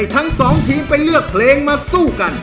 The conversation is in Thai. ทั้งสองทีมไปเลือกเพลงมาสู้กัน